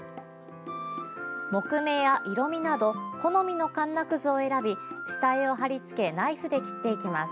木目や色味など好みのかんなくずを選び下絵を貼り付けナイフで切っていきます。